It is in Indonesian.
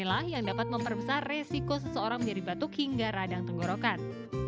inilah yang dapat memperbesar resiko seseorang menjadi batuk hingga radang tenggorokan